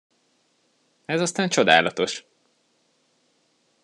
Ez aztán csodálatos!